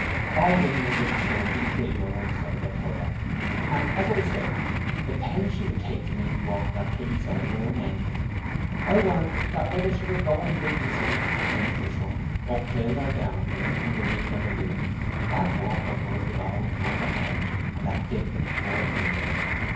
All women under the sun be prettier one side than t'other. And, as I was saying, the pains she would take to make me walk on the pretty side were unending! I warrant that whether we were going with the sun or against the sun, uphill or downhill, in wind or in lewth, that wart of hers was always towards the hedge, and that dimple towards me.